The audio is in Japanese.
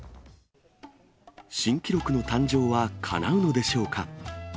新記録の誕生はかなうのでしょうか。